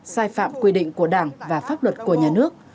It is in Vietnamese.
sai phạm quy định của đảng và pháp luật của nhà nước